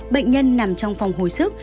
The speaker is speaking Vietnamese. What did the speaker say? bệnh nhân nằm trong phòng hồi sức